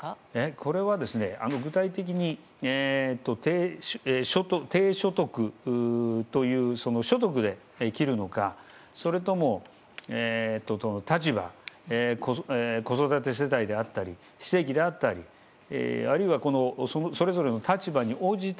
これはですね、具体的に低所得という所得で切るのかそれとも立場、子育て世代であったり非正規だったりあるいはそれぞれの立場に応じて。